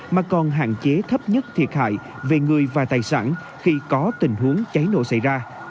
mà còn hạn chế thấp nhất thiệt hại về người và tài sản khi có tình huống cháy nổ xảy ra